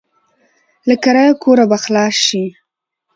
له کرايه کوره به خلاص شې.